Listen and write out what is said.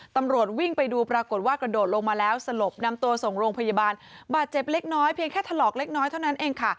ตำรวจวิ่งไปดูปรากฏว่ากระโดดลงมาแล้วสลบนำตัวส่งโรงพยาบาลบาดเจ็บเล็กน้อยเพียงแค่ถลอกเล็กน้อยเท่านั้นเองค่ะ